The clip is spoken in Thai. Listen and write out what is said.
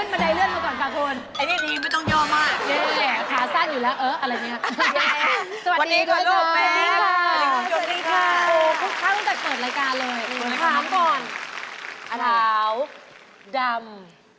สวัสดีค่ะสวัสดีค่ะโอ้พูดภาพตั้งแต่เปิดรายการเลยขอถามก่อนอาทาวดำ